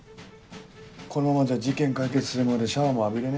このままじゃ事件解決するまでシャワーも浴びれねえんだよ。